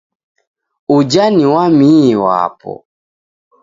Uja ni wamii wapo.